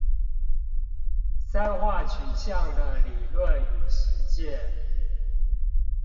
三化取向的理論與實踐